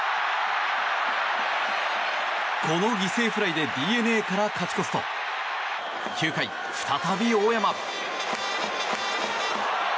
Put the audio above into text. この犠牲フライでＤｅＮＡから勝ち越すと９回、再び大山。